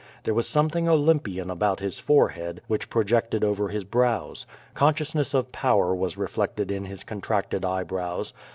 There was something Olym pian about his forehead, which projected over his brows. Consciousness of power was reflected in his contracted eye brows.